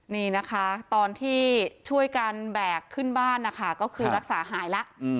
นี่นะคะตอนที่ช่วยกันแบกขึ้นบ้านนะคะก็คือรักษาหายแล้ว